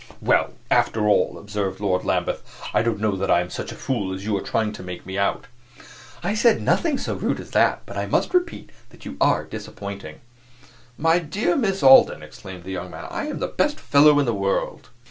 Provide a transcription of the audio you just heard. "Well, after all," observed Lord Lambeth, "I don't know that I am such a fool as you are trying to make me out." "I said nothing so rude as that; but I must repeat that you are disappointing." "My dear Miss Alden," exclaimed the young man, "I am the best fellow in the world!"